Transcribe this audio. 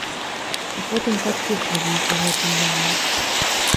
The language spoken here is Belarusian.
І потым падпіхвалі іх у гэтую яму.